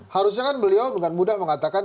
harusnya kan beliau dengan mudah mengatakan